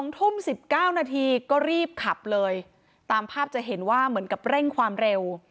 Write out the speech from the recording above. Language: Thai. ๒ทุ่ม๑๙นาทีก็รีบขับเลยตามภาพจะเห็นว่าเหมือนกับเร่งความเร็ว